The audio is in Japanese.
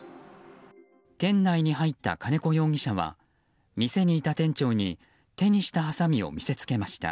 店内に入った金子容疑者は店にいた店長に手にしたはさみを見せつけました。